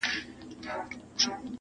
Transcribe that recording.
یار اخیستی همېشه د ښکلو ناز دی,